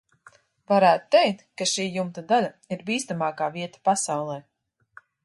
Varētu teikt, ka šī jumta daļa ir bīstamākā vieta pasaulē.